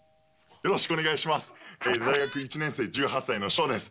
よろしくお願いします。